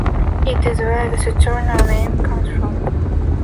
It is where the “Saturnal” name comes from.